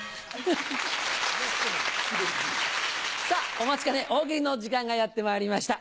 お待ちかね大喜利の時間がやってまいりました。